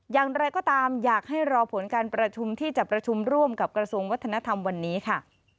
อย่างไรก็ตามอยากให้รอผลการประชุมที่จะประชุมร่วมกับกระทรวงวัฒนธรรมวันนี้ค่ะ